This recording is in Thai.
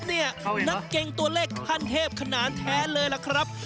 นักเก่งตัวเลขขั้นเทพขนานแท้เลยล่ะครับ